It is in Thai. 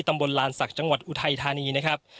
ลานศักดิ์จังหวัดอุทัยธานีนะครับ